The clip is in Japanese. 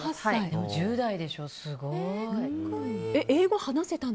でも１０代でしょ、すごい。